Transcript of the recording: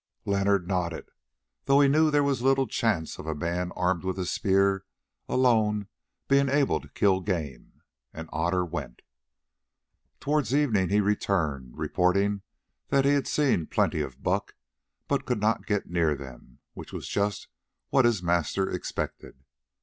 Leonard nodded, though he knew that there was little chance of a man armed with a spear alone being able to kill game, and Otter went. Towards evening he returned, reporting that he had seen plenty of buck, but could not get near them, which was just what his master expected.